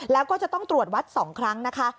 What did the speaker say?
แล้วก็จะต้องตรวจวัด๒ครั้งนะคะ